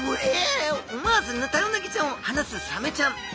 思わずヌタウナギちゃんをはなすサメちゃん。